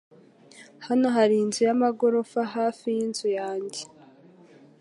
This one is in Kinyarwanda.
Hano hari inzu yamagorofa hafi yinzu yanjye.